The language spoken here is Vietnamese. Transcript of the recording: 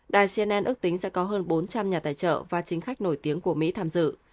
đài cnn ước tính sẽ có hơn bốn trăm linh nhà tài trợ và chính khách nổi tiếng của mỹ tham dự